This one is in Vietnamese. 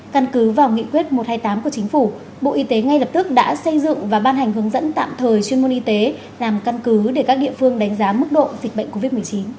căn cứ vào nghị quyết một trăm hai mươi tám của chính phủ bộ y tế ngay lập tức đã xây dựng và ban hành hướng dẫn tạm thời chuyên môn y tế làm căn cứ để các địa phương đánh giá mức độ dịch bệnh covid một mươi chín